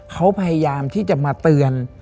เขาพยายามที่จะมาเตือน